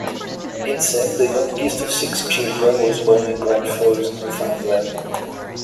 Pinsent, the youngest of six children, was born in Grand Falls, Newfoundland.